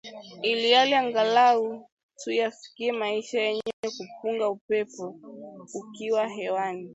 ili angalau tuyafikie maisha yenye kupunga upepo ukiwa hewani